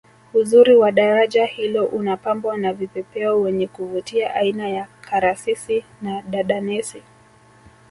uzuri wa daraja hilo unapambwa na vipepeo wenye kuvutia aina ya karasisi na dadanesi